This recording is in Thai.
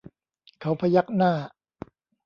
เขาพยักหน้า